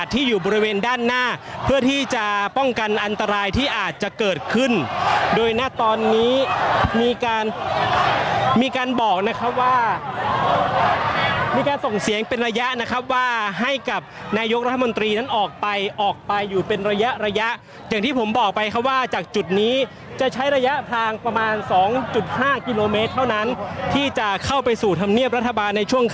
ที่อยู่บริเวณด้านหน้าเพื่อที่จะป้องกันอันตรายที่อาจจะเกิดขึ้นโดยณตอนนี้มีการมีการบอกนะครับว่ามีการส่งเสียงเป็นระยะนะครับว่าให้กับนายกรัฐมนตรีนั้นออกไปออกไปอยู่เป็นระยะระยะอย่างที่ผมบอกไปครับว่าจากจุดนี้จะใช้ระยะทางประมาณ๒๕กิโลเมตรเท่านั้นที่จะเข้าไปสู่ธรรมเนียบรัฐบาลในช่วงค